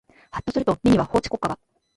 はっとすると目には法治国家が